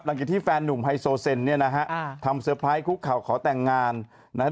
หลังจากที่แฟนหนุ่มไฮโซเซนเนี่ยนะฮะอ่าทำเตอร์ไพรส์คุกเข่าขอแต่งงานนะฮะ